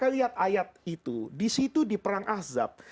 kami lihat ayat itu di situ di perang ahzab